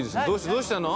どうしたの？